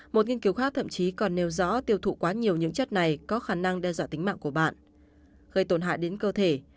một nghiên cứu khác thậm chí còn nêu rõ tiêu thụ quá nhiều những chất này có khả năng đe dọa tính mạng của bạn gây tổn hại đến cơ thể